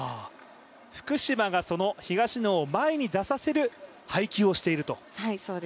福島がその東野を前に出させる配球をしていると。